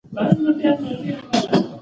ماتې د بریا پیلامه ده.